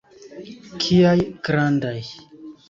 Kiaj grandaj!